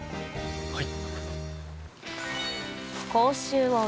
はい。